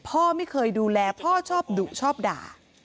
พ่อไม่เคยดูแลพ่อชอบดุชอบด่า